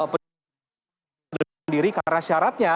penyelidikan sendiri karena syaratnya